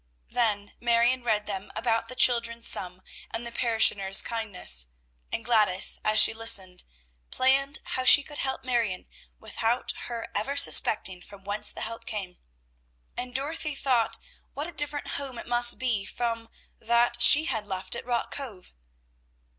Then Marion read them about the children's sum, and the parishioners' kindness; and Gladys, as she listened, planned how she could help Marion without her ever suspecting from whence the help came, and Dorothy thought what a different home it must be from that she had left at Rock Cove.